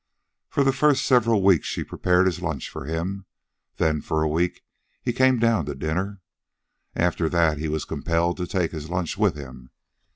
For the first several weeks she prepared his lunch for him. Then, for a week, he came down to dinner. After that he was compelled to take his lunch with him.